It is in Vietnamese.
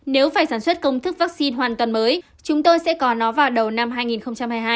nếu phải sản xuất công thức vaccine hoàn toàn mới chúng tôi sẽ có nó vào đầu năm hai nghìn hai mươi hai